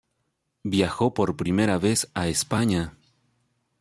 Viajó por primera vez a España.